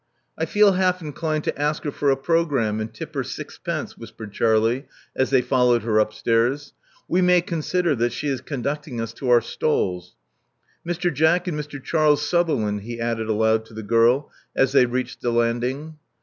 I feel half inclined to ask her for a programme, and tip her sixpence," whispered Charlie, as they followed her upstairs. We may consider that she is conducting us to our stalls. Mr. Jack and Mr. Charles Sutherland," he added aloud to the girl as they reached the landing.